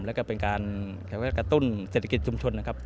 แล้วก็เป็นการกระตุ้นเศรษฐกิจชุมชนนะครับ